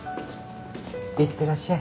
いってらっしゃい。